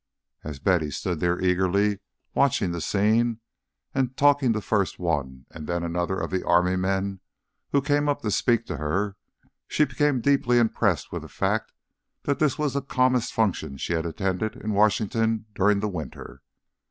As Betty stood there eagerly watching the scene, and talking to first one and then another of the Army men who came up to speak to her, she became deeply impressed with the fact that this was the calmest function she had attended in Washington during the winter.